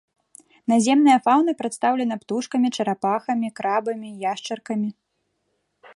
Наземная фаўна прадстаўлена птушкамі, чарапахамі, крабамі, яшчаркамі.